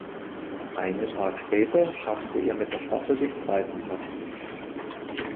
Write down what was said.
Einen Tag später schaffte er mit der Staffel den zweiten Platz.